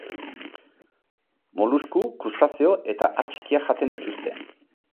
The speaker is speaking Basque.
Molusku, krustazeo eta har txikiak jaten dituzte.